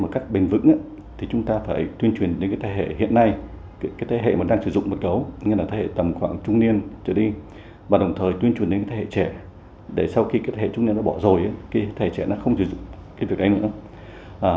các thầy trẻ không thể dùng cái việc này nữa